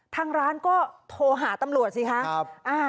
ทางร้านก็โทรหาตำรวจสิคะ